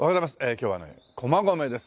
今日はね駒込です。